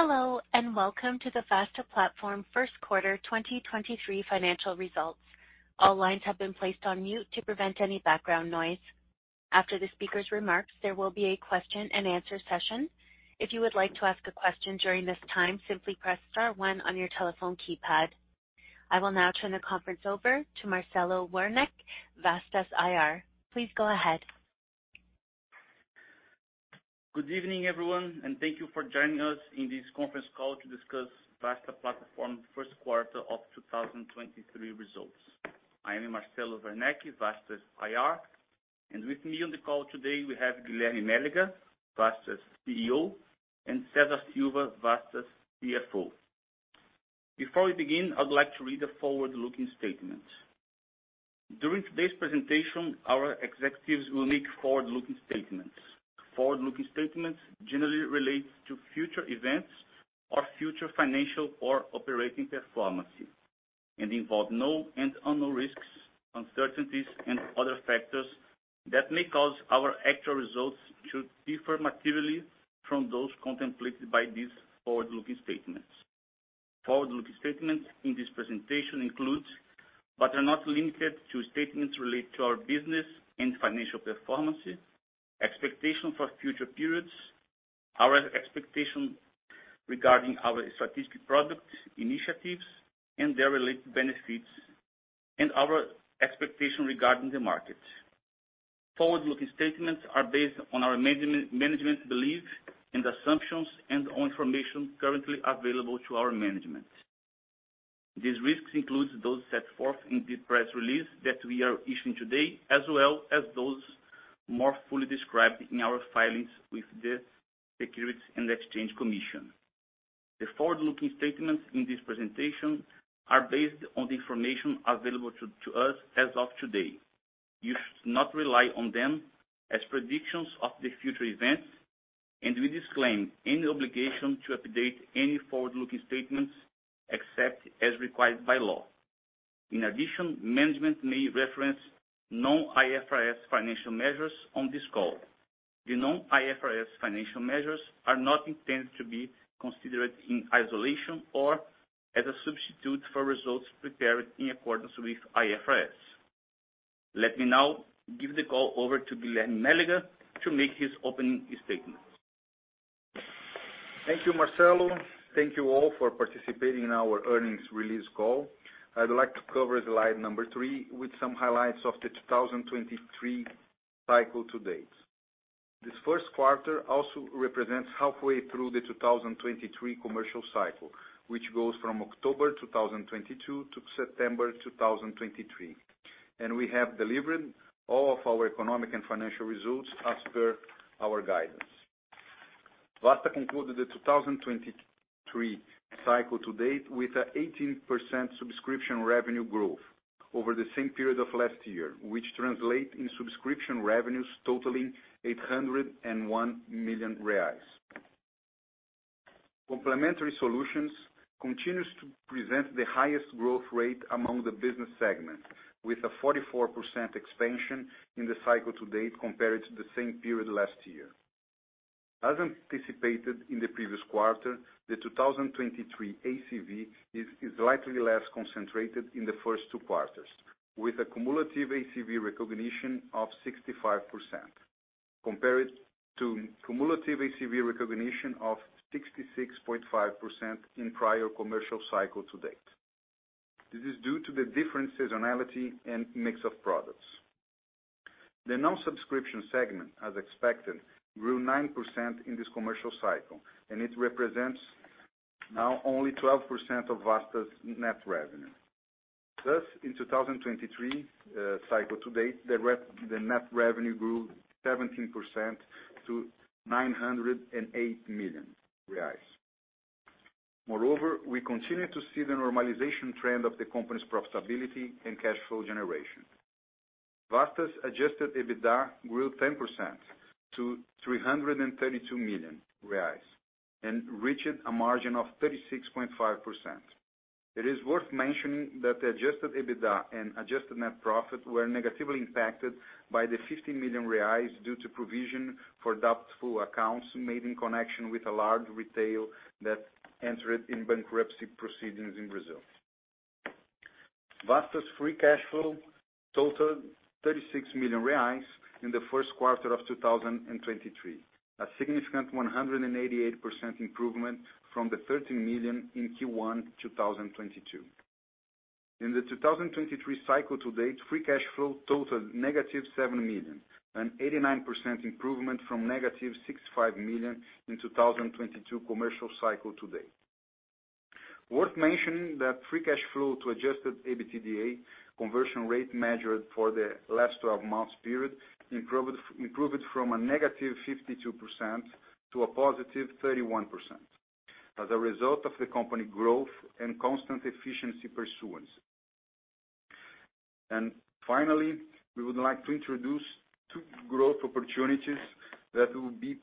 Hello, welcome to the Vasta Platform first quarter 2023 financial results. All lines have been placed on mute to prevent any background noise. After the speaker's remarks, there will be a question and answer session. If you would like to ask a question during this time, simply press star one on your telephone keypad. I will now turn the conference over to Marcelo Werneck, Vasta's IR. Please go ahead. Good evening, everyone, thank you for joining us in this conference call to discuss Vasta Platform first quarter of 2023 results. I am Marcelo Werneck, Vasta's IR. With me on the call today, we have Guilherme Mélega, Vasta's CEO, and Cesar Silva, Vasta's CFO. Before we begin, I'd like to read the forward-looking statement. During today's presentation, our executives will make forward-looking statements. Forward-looking statements generally relate to future events or future financial or operating performance and involve known and/or unknown risks, uncertainties and other factors that may cause our actual results to differ materially from those contemplated by these forward-looking statements. Forward-looking statements in this presentation include, but are not limited to, statements related to our business and financial performance, expectations for future periods, our expectation regarding our strategic product initiatives and their related benefits, and our expectation regarding the market. Forward-looking statements are based on our management belief and assumptions and on information currently available to our management. These risks include those set forth in the press release that we are issuing today, as well as those more fully described in our filings with the Securities and Exchange Commission. The forward-looking statements in this presentation are based on the information available to us as of today. You should not rely on them as predictions of the future events, we disclaim any obligation to update any forward-looking statements except as required by law. In addition, management may reference non-IFRS financial measures on this call. The non-IFRS financial measures are not intended to be considered in isolation or as a substitute for results prepared in accordance with IFRS. Let me now give the call over to Guilherme Mélega to make his opening statement. Thank you, Marcelo. Thank you all for participating in our earnings release call. I'd like to cover slide number three with some highlights of the 2023 cycle to date. This first quarter also represents halfway through the 2023 commercial cycle, which goes from October 2022 to September 2023, and we have delivered all of our economic and financial results as per our guidance. Vasta concluded the 2023 cycle to date with 18% subscription revenue growth over the same period of last year, which translate in subscription revenues totaling 801 million reais. Complementary solutions continues to present the highest growth rate among the business segments, with a 44% expansion in the cycle to date compared to the same period last year. As anticipated in the previous quarter, the 2023 ACV is slightly less concentrated in the first two quarters, with a cumulative ACV recognition of 65% compared to cumulative ACV recognition of 66.5% in prior commercial cycle to date. This is due to the different seasonality and mix of products. The non-subscription segment, as expected, grew 9% in this commercial cycle, and it represents now only 12% of Vasta's net revenue. In 2023 cycle to date, the net revenue grew 17%-BRL 908 million. We continue to see the normalization trend of the company's profitability and cash flow generation. Vasta's adjusted EBITDA grew 10% to 332 million reais and reached a margin of 36.5%. It is worth mentioning that the adjusted EBITDA and adjusted net profit were negatively impacted by the 50 million reais due to provision for doubtful accounts made in connection with a large retail that entered in bankruptcy proceedings in Brazil. Vasta's free cash flow totaled 36 million reais in the first quarter of 2023, a significant 188% improvement from the 30 million in Q1 2022. In the 2023 cycle to date, free cash flow totaled negative 7 million, an 89% improvement from negative 65 million in 2022 commercial cycle to date. Worth mentioning that free cash flow to adjusted EBITDA conversion rate measured for the last 12 months period improved from a negative 52% to a positive 31% as a result of the company growth and constant efficiency pursuance. Finally, we would like to introduce two growth opportunities that we'll be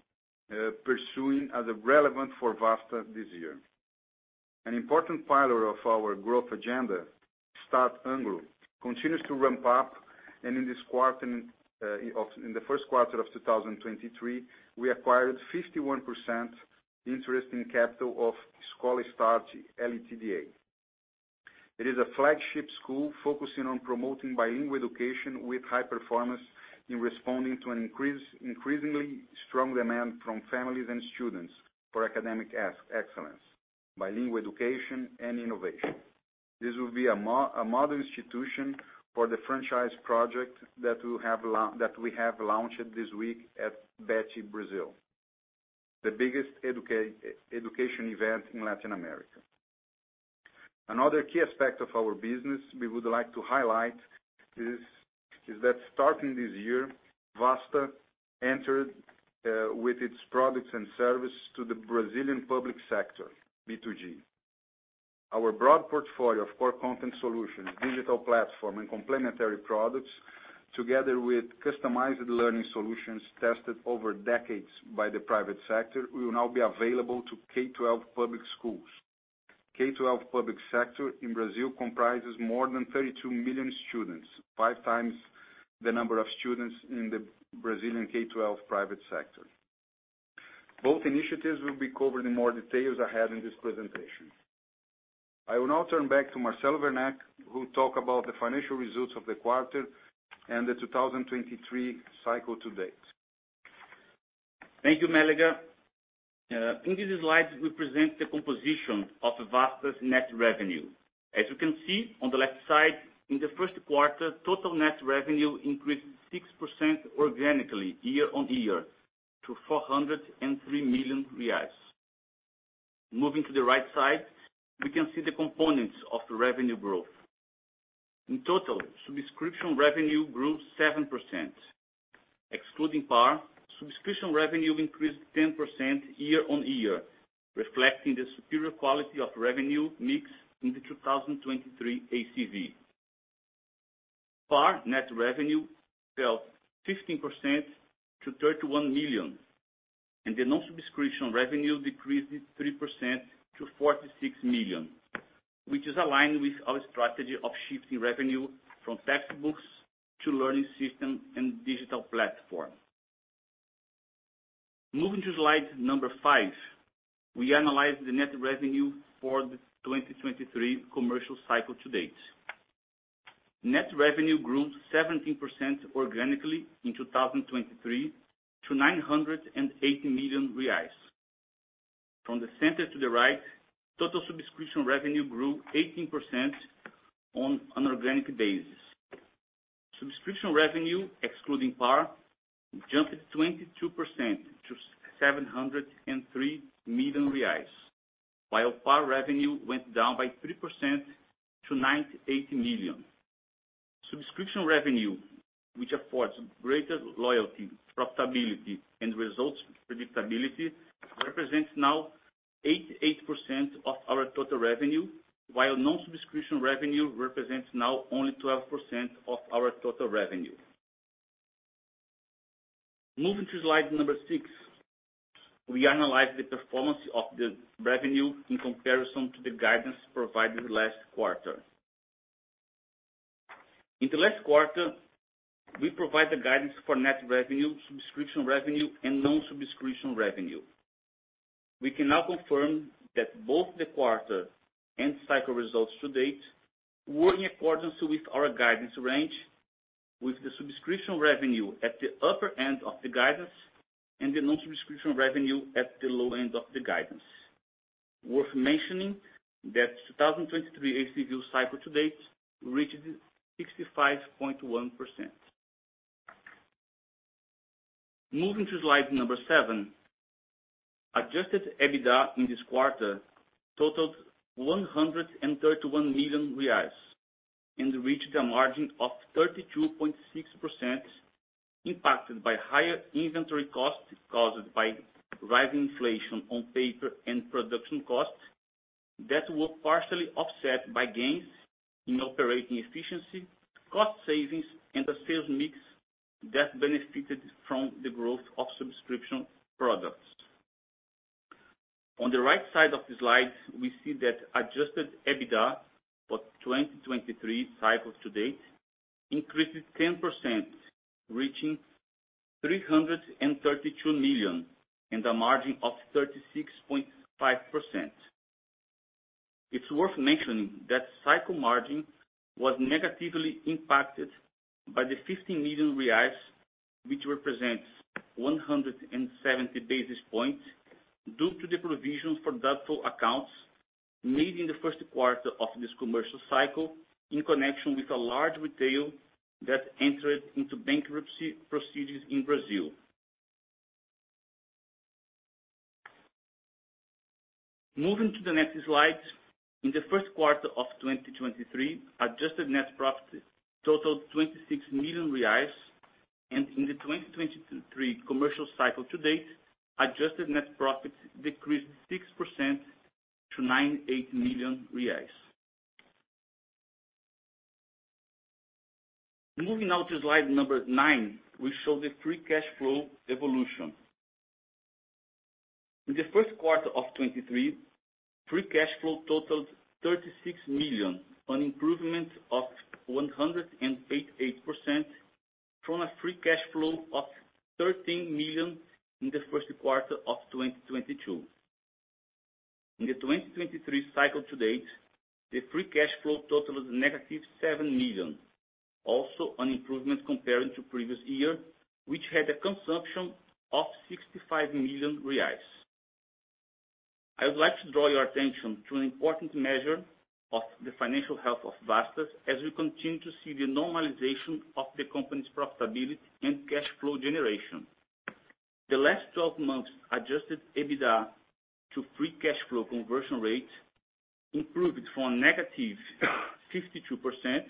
pursuing as relevant for Vasta this year. An important pillar of our growth agenda, Start Anglo, continues to ramp up in the first quarter of 2023, we acquired 51% interest in capital of Escola Start LTDA. It is a flagship school focusing on promoting bilingual education with high performance in responding to an increasingly strong demand from families and students for academic excellence, bilingual education and innovation. This will be a model institution for the franchise project that we have launched this week at Bett Brasil, the biggest education event in Latin America. Another key aspect of our business we would like to highlight is that starting this year, Vasta entered with its products and services to the Brazilian public sector, B2G. Our broad portfolio of core content solutions, digital platform and complementary products, together with customized learning solutions tested over decades by the private sector, will now be available to K12 public schools. K12 public sector in Brazil comprises more than 32 million students, five times the number of students in the Brazilian K12 private sector. Both initiatives will be covered in more details ahead in this presentation. I will now turn back to Marcelo Werneck, who talk about the financial results of the quarter and the 2023 cycle to date. Thank you, Mélega. In this slide, we present the composition of Vasta's net revenue. As you can see on the left side, in the first quarter, total net revenue increased 6% organically year-on-year to 403 million reais. Moving to the right side, we can see the components of the revenue growth. In total, subscription revenue grew 7%. Excluding PAR, subscription revenue increased 10% year-on-year, reflecting the superior quality of revenue mix in the 2023 ACV. PAR net revenue fell 15%-BRL 31 million, the non-subscription revenue decreased 3%-BRL 46 million, which is aligned with our strategy of shifting revenue from textbooks to learning system and digital platform. Moving to slide number 5, we analyze the net revenue for the 2023 commercial cycle to date. Net revenue grew 17% organically in 2023 to 980 million reais. From the center to the right, total subscription revenue grew 18% on an organic basis. Subscription revenue, excluding PAR, jumped 22%-BRL 703 million, while PAR revenue went down by 3%-BRL 98 million. Subscription revenue, which affords greater loyalty, profitability, and results predictability, represents now 88% of our total revenue, while non-subscription revenue represents now only 12% of our total revenue. Moving to slide number six, we analyze the performance of the revenue in comparison to the guidance provided last quarter. In the last quarter, we provide the guidance for net revenue, subscription revenue, and non-subscription revenue. We can now confirm that both the quarter and cycle results to date were in accordance with our guidance range, with the subscription revenue at the upper end of the guidance and the non-subscription revenue at the low end of the guidance. Worth mentioning that 2023 ACV cycle to date reached 65.1%. Moving to slide number seven, adjusted EBITDA in this quarter totaled 131 million reais and reached a margin of 32.6%, impacted by higher inventory costs caused by rising inflation on paper and production costs that were partially offset by gains in operating efficiency, cost savings, and a sales mix that benefited from the growth of subscription products. On the right side of the slide, we see that adjusted EBITDA for 2023 cycles to date increased 10%, reaching 332 million and a margin of 36.5%. It's worth mentioning that cycle margin was negatively impacted by the 50 million reais, which represents 170 basis points, due to the provisions for doubtful accounts made in the first quarter of this commercial cycle in connection with a large retail that entered into bankruptcy procedures in Brazil. Moving to the next slide. In the first quarter of 2023, adjusted net profits totaled 26 million reais. In the 2023 commercial cycle to date, adjusted net profits decreased 6% to 98 million reais. Moving now to slide number nine, we show the free cash flow evolution. In the first quarter of 2023, free cash flow totaled 36 million, an improvement of 188% from a free cash flow of 13 million in the first quarter of 2022. In the 2023 cycle to date, the free cash flow total is negative 7 million, also an improvement comparing to previous year, which had a consumption of 65 million reais. I would like to draw your attention to an important measure of the financial health of Vasta as we continue to see the normalization of the company's profitability and cash flow generation. The last 12 months adjusted EBITDA to free cash flow conversion rate improved from negative 52%,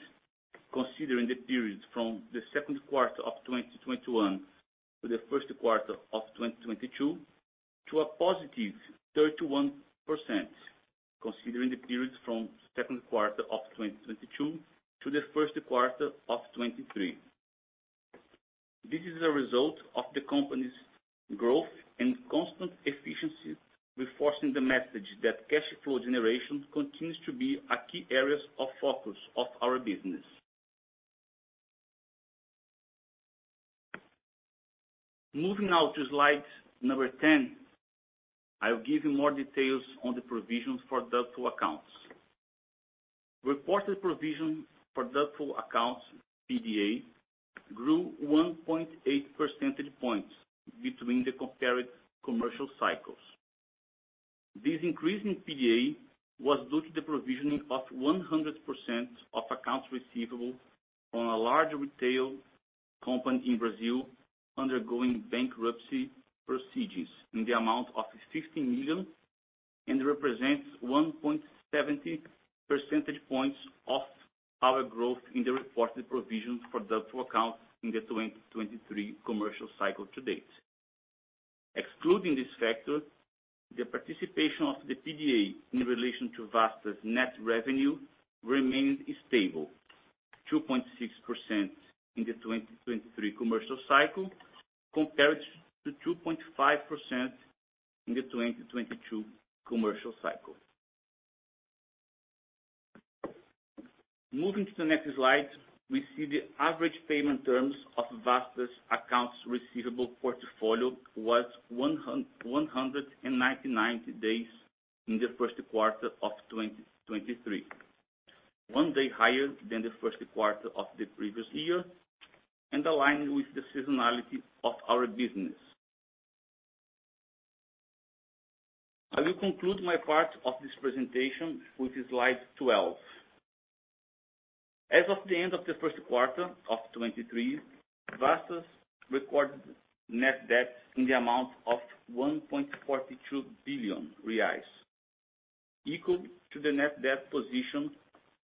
considering the periods from the second quarter of 2021 to the first quarter of 2022, to a positive 31%, considering the periods from second quarter of 2022 to the first quarter of 2023. This is a result of the company's growth and constant efficiency, reinforcing the message that cash flow generation continues to be a key areas of focus of our business. Moving now to slide number 10, I'll give you more details on the provisions for doubtful accounts. Reported provision for doubtful accounts, PDA, grew 1.8 percentage points between the compared commercial cycles. This increase in PDA was due to the provisioning of 100% of accounts receivable from a large retail company in Brazil undergoing bankruptcy proceedings in the amount of 60 million, and represents 1.70 percentage points of our growth in the reported provisions for doubtful accounts in the 2023 commercial cycle to date. Excluding this factor, the participation of the PDA in relation to Vasta's net revenue remains stable, 2.6% in the 2023 commercial cycle compared to 2.5% in the 2022 commercial cycle. Moving to the next slide, we see the average payment terms of Vasta's accounts receivable portfolio was 190 days in the first quarter of 2023, one day higher than the first quarter of the previous year, and aligned with the seasonality of our business. I will conclude my part of this presentation with slide 12. As of the end of the first quarter of 2023, Vasta's recorded net debt in the amount of 1.42 billion reais, equal to the net debt position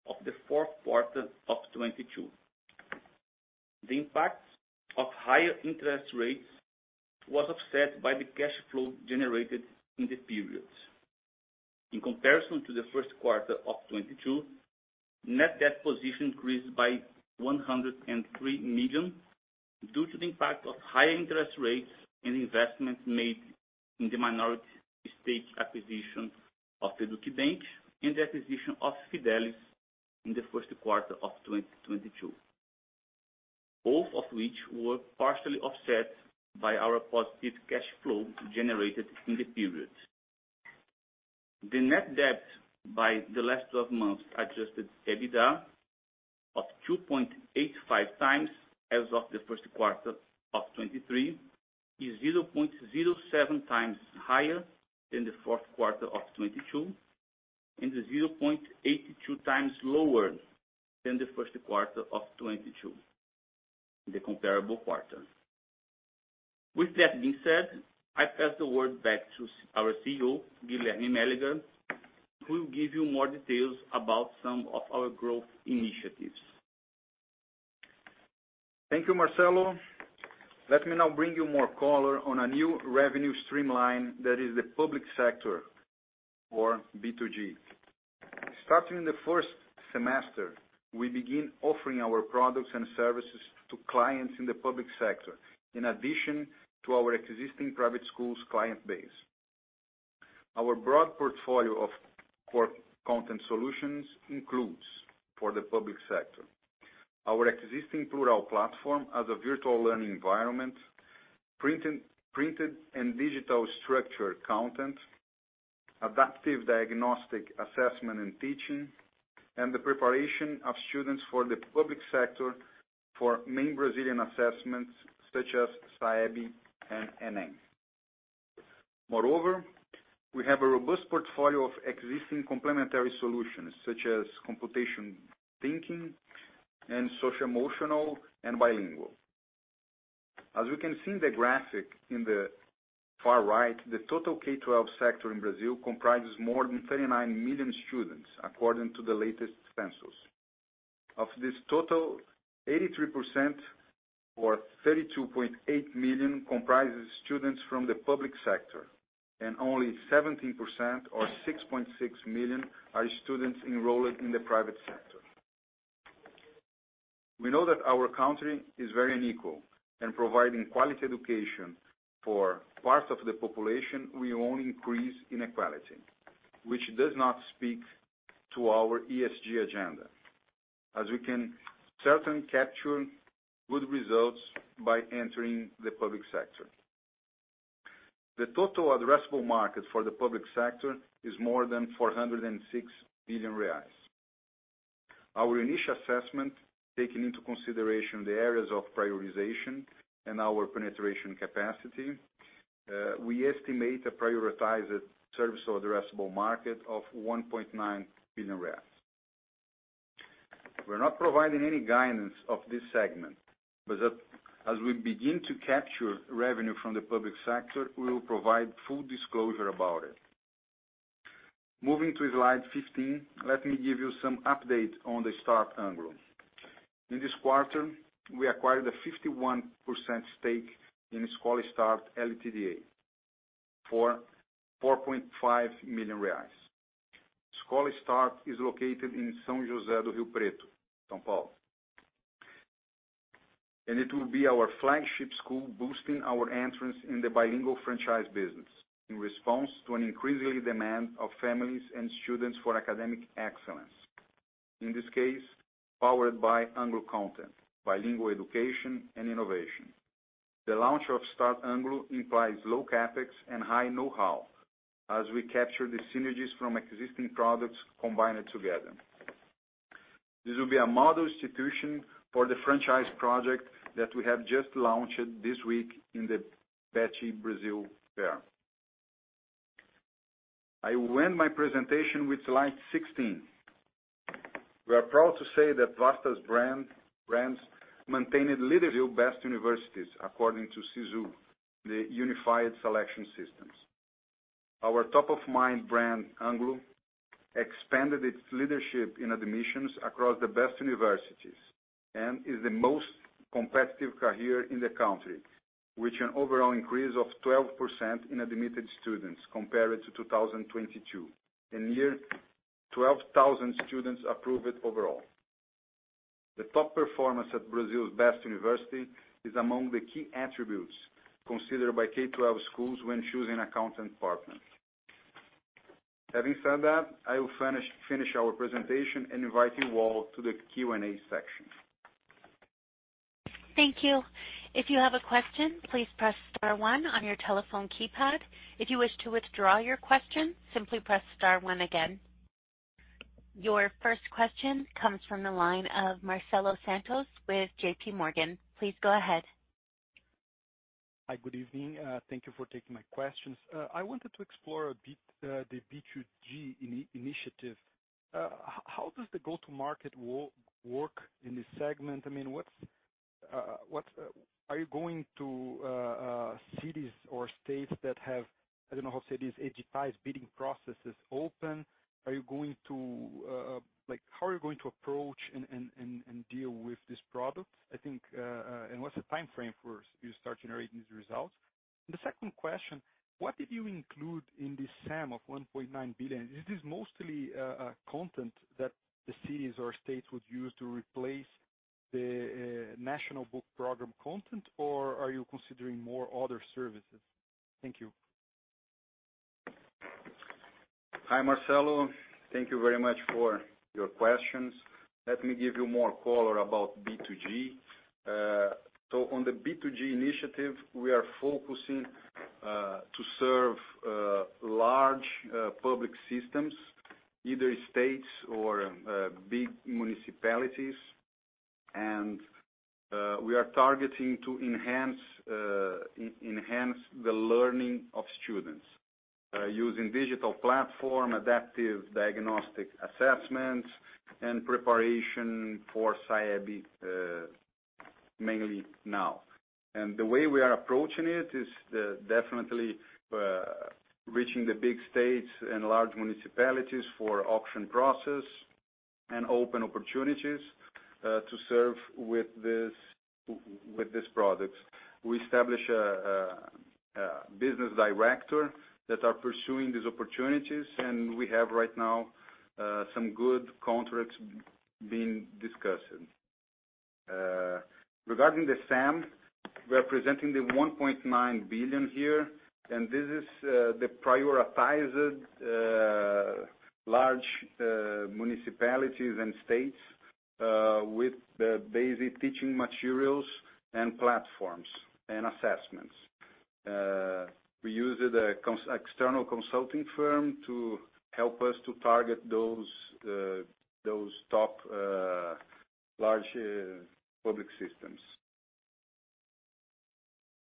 of the fourth quarter of 2022. The impact of higher interest rates was offset by the cash flow generated in the periods. In comparison to the first quarter of 2022, net debt position increased by 103 million due to the impact of higher interest rates and investments made in the minority stake acquisition of educbank and the acquisition of Fidelis in the first quarter of 2022, both of which were partially offset by our positive cash flow generated in the period. The net debt by the last twelve months adjusted EBITDA of 2.85x as of the first quarter of 2023, is 0.07x higher than the fourth quarter of 2022, and 0.82x lower than the first quarter of 2022, the comparable quarter. With that being said, I pass the word back to our CEO, Guilherme Mélega, who will give you more details about some of our growth initiatives. Thank you, Marcelo. Let me now bring you more color on a new revenue stream line that is the public sector or B2G. Starting the first semester, we begin offering our products and services to clients in the public sector, in addition to our existing private schools client base. Our broad portfolio of core content solutions includes, for the public sector, our existing Plurall platform as a virtual learning environment, printed and digital structured content, adaptive diagnostic assessment and teaching, and the preparation of students for the public sector for main Brazilian assessments such as SAEB and ENEM. We have a robust portfolio of existing complementary solutions such as computation thinking and socio-emotional and bilingual. As you can see in the graphic in the far right, the total K12 sector in Brazil comprises more than 39 million students, according to the latest census. Of this total, 83% or 32.8 million comprises students from the public sector, and only 17% or 6.6 million are students enrolled in the private sector. We know that our country is very unequal. Providing quality education for parts of the population will only increase inequality, which does not speak to our ESG agenda, as we can certainly capture good results by entering the public sector. The total addressable market for the public sector is more than 406 billion reais. Our initial assessment, taking into consideration the areas of prioritization and our penetration capacity, we estimate a prioritized service or addressable market of BRL 1.9 billion. We're not providing any guidance of this segment. As we begin to capture revenue from the public sector, we will provide full disclosure about it. Moving to slide 15, let me give you some update on the Start Anglo. In this quarter, we acquired a 51% stake in Escola Start LTDA for 4.5 million reais. Escola Start is located in São José do Rio Preto, São Paulo. It will be our flagship school, boosting our entrance in the bilingual franchise business in response to an increasingly demand of families and students for academic excellence. In this case, powered by Anglo content, bilingual education, and innovation. The launch of Start Anglo implies low CapEx and high know-how as we capture the synergies from existing products combined together. This will be a model institution for the franchise project that we have just launched this week in the Bett Brasil Fair. I end my presentation with slide 16. We are proud to say that Vasta's brands maintained a leader view best universities according to Sisu, the unified selection systems. Our top-of-mind brand, Anglo, expanded its leadership in admissions across the best universities and is the most competitive career in the country, with an overall increase of 12% in admitted students compared to 2022. In near 12,000 students approved overall. The top performance at Brazil's best university is among the key attributes considered by K12 schools when choosing a content partner. Having said that, I will finish our presentation and invite you all to the Q&A section. Thank you. If you have a question, please press star one on your telephone keypad. If you wish to withdraw your question, simply press star one again. Your first question comes from the line of Marcelo Santos with JPMorgan. Please go ahead. Hi, good evening. Thank you for taking my questions. I wanted to explore a bit the B2G initiative. How does the go-to-market work in this segment? I mean, what's? Are you going to cities or states that have, I don't know how to say this, agitize bidding processes open? Are you going to, like how are you going to approach and deal with this product? I think, what's the timeframe for you start generating these results? The second question, what did you include in this SAM of 1.9 billion? Is this mostly content that the cities or states would use to replace the national book program content, or are you considering more other services? Thank you. Hi, Marcelo. Thank you very much for your questions. Let me give you more color about B2G. On the B2G initiative, we are focusing to serve large public systems, either states or big municipalities. We are targeting to enhance the learning of students using digital platform, adaptive diagnostic assessments, and preparation for SAEB mainly now. The way we are approaching it is definitely reaching the big states and large municipalities for auction process and open opportunities to serve with these products. We establish a business director that are pursuing these opportunities, and we have right now some good contracts being discussed. Uh, regarding the SAM, we are presenting the one point nine billion here, and this is, uh, the prioritized, uh, large, uh, municipalities and states, uh, with the basic teaching materials and platforms and assessments. Uh, we use the cons-- external consulting firm to help us to target those, uh, those top, uh, large, uh, public systems.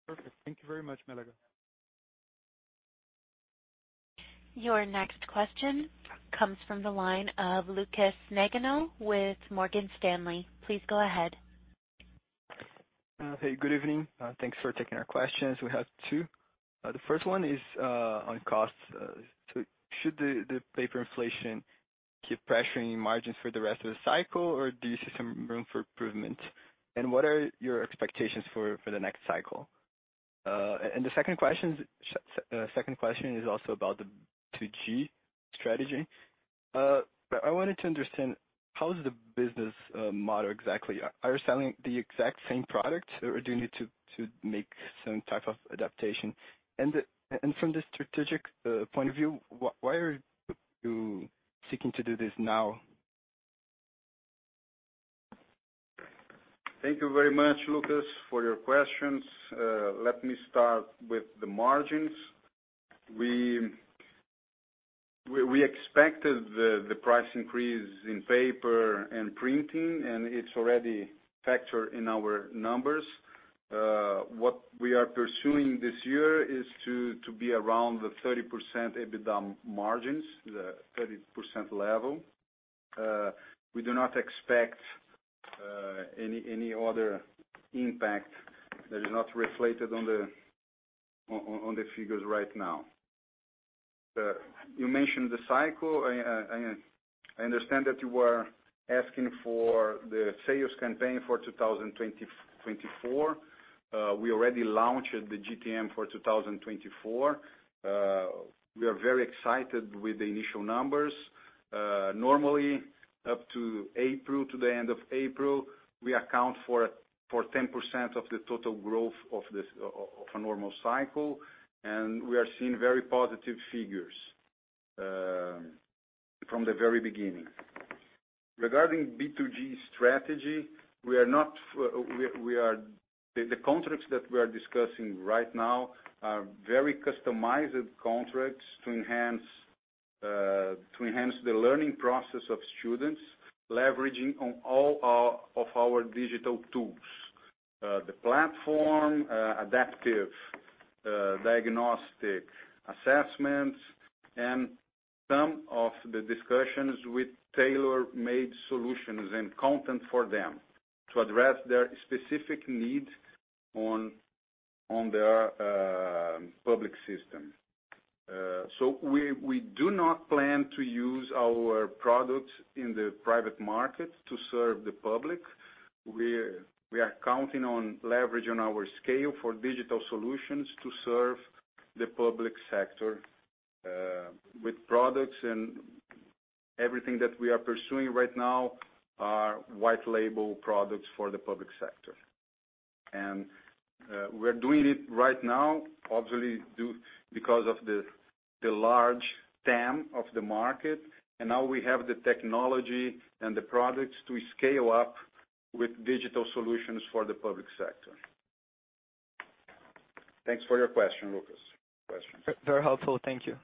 Perfect. Thank you very much, Mélega. Your next question comes from the line of Lucas Nagano with Morgan Stanley. Please go ahead. Hey, good evening. Thanks for taking our questions. We have two. The first one is on costs. Should the paper inflation keep pressuring margins for the rest of the cycle or do you see some room for improvement? What are your expectations for the next cycle? The second question is also about the B2G strategy. I wanted to understand how is the business model exactly. Are you selling the exact same product or do you need to make some type of adaptation? From the strategic point of view, why are you seeking to do this now? Thank you very much, Lucas, for your questions. Let me start with the margins. We expected the price increase in paper and printing, and it's already factored in our numbers. What we are pursuing this year is to be around the 30% EBITDA margins, the 30% level. We do not expect any other impact that is not reflected on the figures right now. You mentioned the cycle. I understand that you were asking for the sales campaign for 2024. We already launched the GTM for 2024. We are very excited with the initial numbers. Normally up to April, to the end of April, we account for 10% of the total growth of this, of a normal cycle, and we are seeing very positive figures from the very beginning. Regarding B2G strategy, we are not, we are. The contracts that we are discussing right now are very customized contracts to enhance the learning process of students leveraging on all of our digital tools. The platform, adaptive, diagnostic assessments, and some of the discussions with tailor-made solutions and content for them to address their specific needs on their public system. We do not plan to use our products in the private market to serve the public. We are counting on leverage on our scale for digital solutions to serve the public sector with products. Everything that we are pursuing right now are white label products for the public sector. We're doing it right now, obviously due because of the large TAM of the market, and now we have the technology and the products to scale up with digital solutions for the public sector. Thanks for your question, Lucas. Questions. Very helpful. Thank you.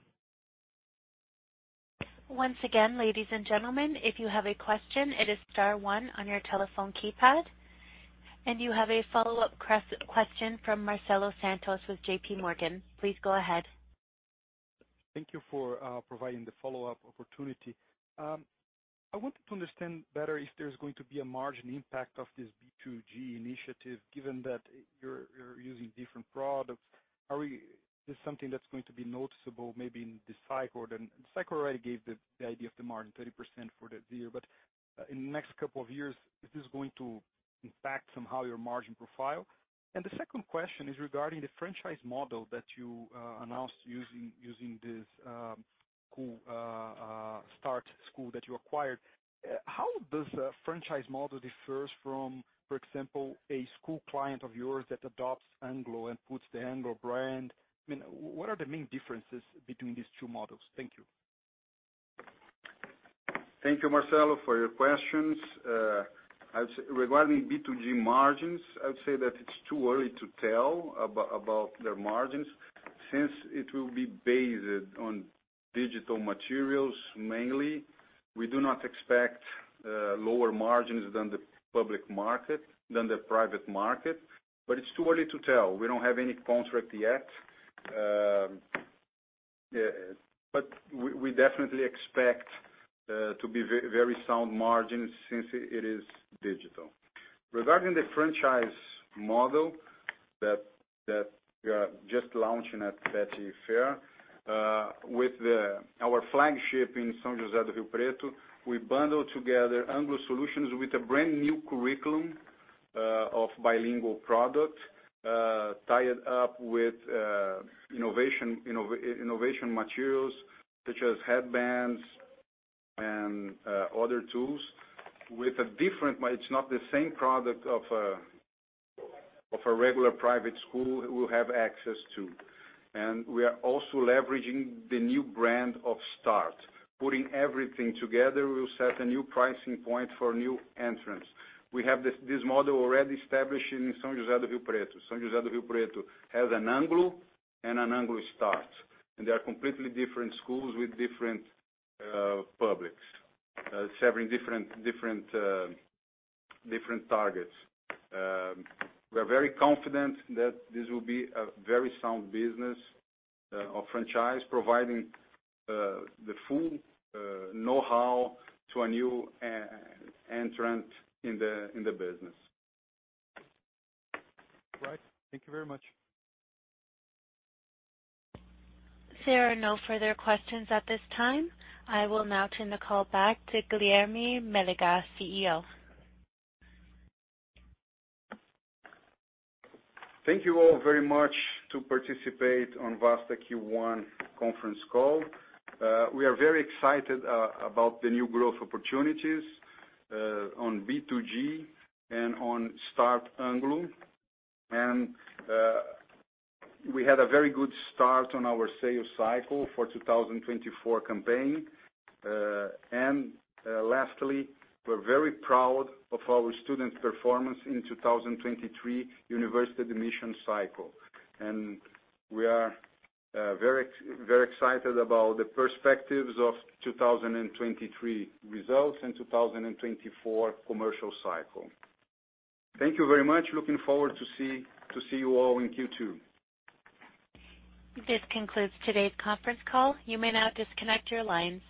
Once again, ladies and gentlemen, if you have a question, it is star one on your telephone keypad. You have a follow-up question from Marcelo Santos with JPMorgan. Please go ahead. Thank you for providing the follow-up opportunity. I wanted to understand better if there's going to be a margin impact of this B2G initiative, given that you're using different products. Is this something that's going to be noticeable maybe in this cycle? The cycle already gave the idea of the margin, 30% for that year. In the next couple of years, is this going to impact somehow your margin profile? The second question is regarding the franchise model that you announced using this Start School that you acquired. How does the franchise model differs from, for example, a school client of yours that adopts Anglo and puts the Anglo brand? I mean, what are the main differences between these two models? Thank you. Thank you, Marcelo, for your questions. I would say regarding B2G margins, I would say that it's too early to tell about their margins since it will be based on digital materials mainly. We do not expect lower margins than the private market, but it's too early to tell. We don't have any contract yet. We definitely expect very sound margins since it is digital. Regarding the franchise model that we are just launching at Bett Fair, with our flagship in São José do Rio Preto, we bundle together Anglo solutions with a brand-new curriculum of bilingual product tied up with innovation materials such as headbands and other tools with a different way. It's not the same product of a regular private school will have access to. We are also leveraging the new brand of Start. Putting everything together will set a new pricing point for new entrants. We have this model already established in São José do Rio Preto. São José do Rio Preto has an Anglo and an Anglo Start, and they are completely different schools with different publics, serving different targets. We are very confident that this will be a very sound business of franchise providing the full know-how to a new entrant in the business. Right. Thank you very much. There are no further questions at this time. I will now turn the call back to Guilherme Mélega, CEO. Thank you all very much to participate on Vasta Q1 conference call. We are very excited about the new growth opportunities on B2G and on Start Anglo. We had a very good start on our sales cycle for 2024 campaign. Lastly, we're very proud of our students' performance in 2023 university admission cycle. We are very excited about the perspectives of 2023 results and 2024 commercial cycle. Thank you very much. Looking forward to see you all in Q2. This concludes today's conference call. You may now disconnect your lines.